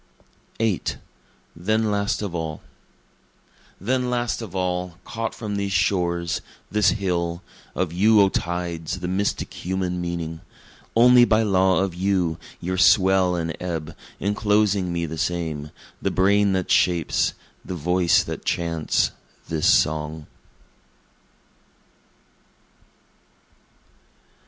[VIII] Then Last Of All Then last of all, caught from these shores, this hill, Of you O tides, the mystic human meaning: Only by law of you, your swell and ebb, enclosing me the same, The brain that shapes, the voice that chants this song.